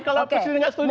kalau presiden gak setuju